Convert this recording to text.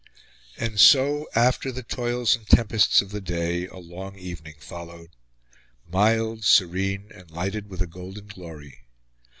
III And so, after the toils and tempests of the day, a long evening followed mild, serene, and lighted with a golden glory.